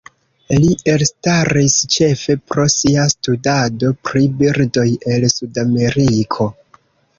Li elstaris ĉefe pro sia studado pri birdoj el Sudameriko.